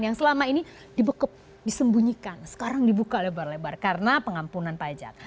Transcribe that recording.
yang selama ini dibekep disembunyikan sekarang dibuka lebar lebar karena pengampunan pajak